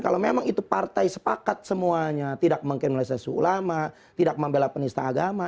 kalau memang itu partai sepakat semuanya tidak mengkriminalisasi ulama tidak membela penista agama